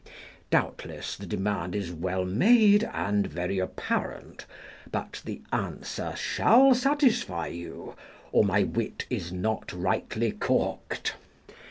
Doubtless the demand is well made and very apparent, but the answer shall satisfy you, or my wit is not rightly caulked.